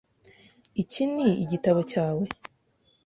Iki ni igitabo cyawe?